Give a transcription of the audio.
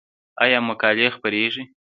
آیا مقالې خپریږي؟